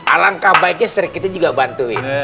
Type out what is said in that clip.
alangkah baiknya serikitnya juga bantuin